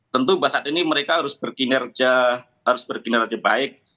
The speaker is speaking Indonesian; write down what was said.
tentu bahwa saat ini mereka harus berkinerja baik